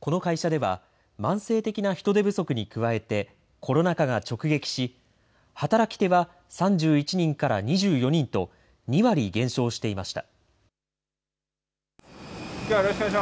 この会社では、慢性的な人手不足に加えて、コロナ禍が直撃し、働き手は３１人から２４人と、２割減少していました。